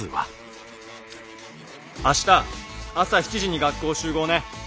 明日朝７時に学校集合ね。